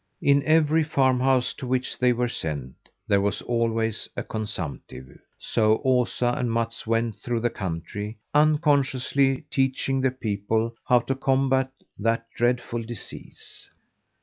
In every farm house to which they were sent there was always a consumptive. So Osa and Mats went through the country unconsciously teaching the people how to combat that dreadful disease.